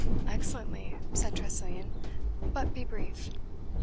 "Excellently," said Tressilian; "but be brief."